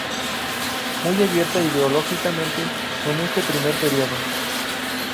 Muy abierta ideológicamente en este primer período.